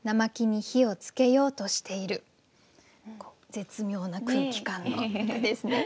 絶妙な空気感の歌ですね。